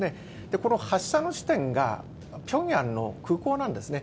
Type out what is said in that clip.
この発射の地点がピョンヤンの空港なんですね。